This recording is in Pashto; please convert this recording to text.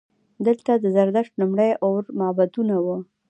دلته د زردشت لومړني اور معبدونه وو